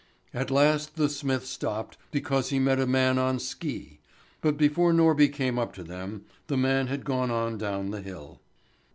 At last the smith stopped because he met a man on ski; but before Norby came up to them the man had gone on down the hill.